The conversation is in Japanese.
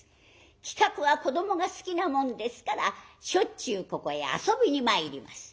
其角は子どもが好きなもんですからしょっちゅうここへ遊びに参ります。